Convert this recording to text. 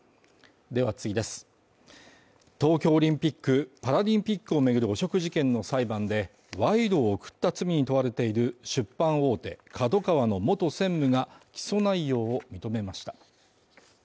東京オリンピック・パラリンピックを巡る汚職事件の裁判で、賄賂を贈った罪に問われている出版大手ＫＡＤＯＫＡＷＡの元専務が起訴内容を認めました。